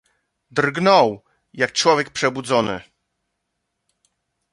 "Drgnął jak człowiek przebudzony."